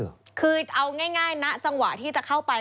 คือเอาง่ายนะจังหวะที่จะเข้าไป